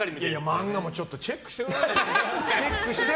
漫画もチェックしてくださいよ。